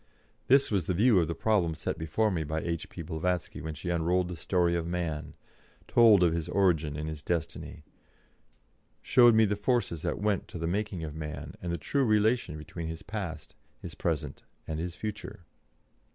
This was the view of the problem set before me by H.P. Blavatsky when she unrolled the story of man, told of his origin and his destiny, showed me the forces that went to the making of man, and the true relation between his past, his present, and his future.